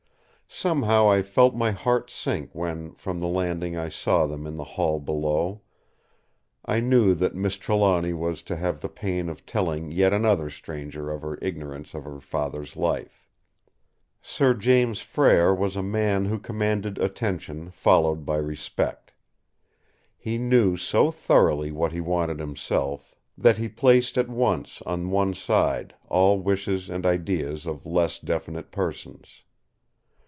Somehow I felt my heart sink when from the landing I saw them in the hall below; I knew that Miss Trelawny was to have the pain of telling yet another stranger of her ignorance of her father's life. Sir James Frere was a man who commanded attention followed by respect. He knew so thoroughly what he wanted himself, that he placed at once on one side all wishes and ideas of less definite persons.